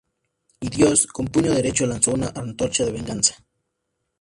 Y Dios, con puño derecho, lanzó una antorcha de venganza.